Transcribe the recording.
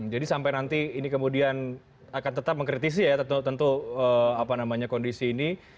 jadi sampai nanti ini kemudian akan tetap mengkritisi ya tentu tentu apa namanya kondisi ini